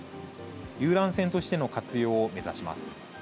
遊覧船としての活用を目指します。